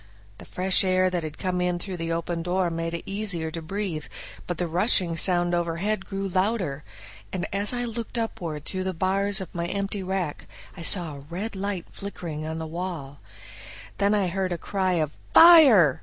The fresh air that had come in through the open door made it easier to breathe, but the rushing sound overhead grew louder, and as I looked upward through the bars of my empty rack I saw a red light flickering on the wall. Then I heard a cry of "Fire!"